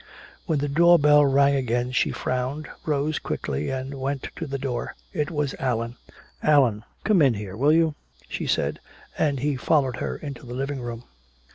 When the doorbell rang again, she frowned, rose quickly and went to the door. It was Allan. "Allan come in here, will you?" she said, and he followed her into the living room.